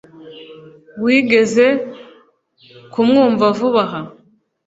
Wigeze kumwumva vuba aha